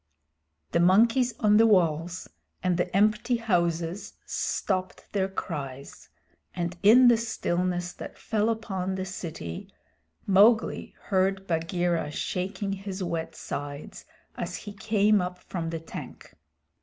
The monkeys on the walls and the empty houses stopped their cries, and in the stillness that fell upon the city Mowgli heard Bagheera shaking his wet sides as he came up from the tank.